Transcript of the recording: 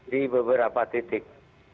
di beberapa titik